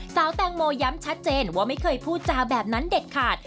สาวแตงโมย้ำชัดเจนว่าไม่เคยพูดจาแบบนั้นเด็ดขาด